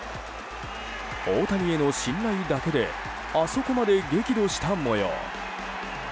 大谷への信頼だけであそこまで激怒した模様。